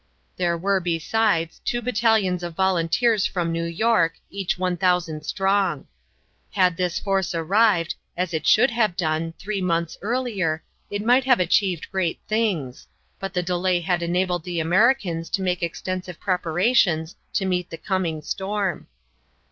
There were, besides, two battalions of volunteers from New York, each 1000 strong. Had this force arrived, as it should have done, three months earlier, it might have achieved great things; but the delay had enabled the Americans to make extensive preparations to meet the coming storm.